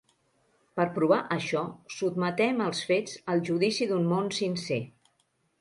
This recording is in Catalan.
Per provar això, sotmetem els Fets al judici d'un món sincer.